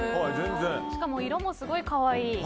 しかも色もすごい可愛い。